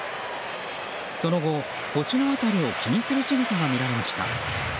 その後、腰の辺りを気にするしぐさが見られました。